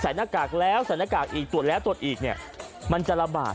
อีกแสนนากากแล้วดูแลดูดอีกมันจะละเบาะ